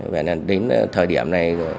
vậy là đến thời điểm này